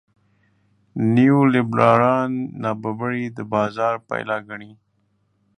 نیولېبرالان نابرابري د بازار پایله ګڼي.